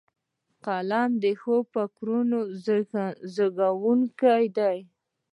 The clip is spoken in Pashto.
قلم د ښو فکرونو زیږوونکی دی